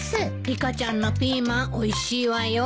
リカちゃんのピーマンおいしいわよ。